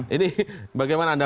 ini bagaimana anda